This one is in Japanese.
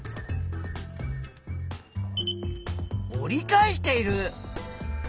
折り返している！